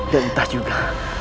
dan entah juga